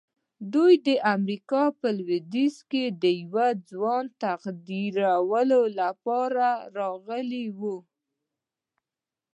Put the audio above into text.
دوی د امريکا د لويديځ د يوه ځوان د تقديرولو لپاره راغلي وو.